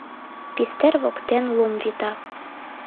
Пистер воктен лум вита.